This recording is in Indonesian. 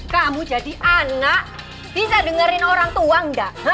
kamu jadi anak bisa dengerin orang tua enggak